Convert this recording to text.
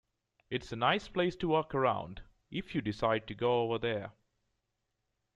It's a nice place to walk around if you decide to go over there.